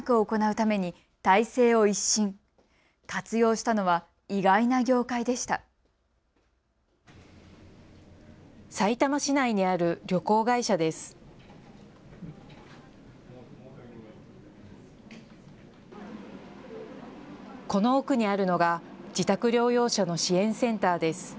この奥にあるのが自宅療養者の支援センターです。